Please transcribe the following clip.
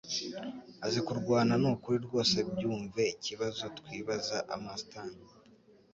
Azi kurwana nukuri rwose byumve ikibazo twibaza(Amastan)